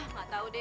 gak tau deh